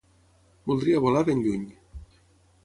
Voldria volar ben lluny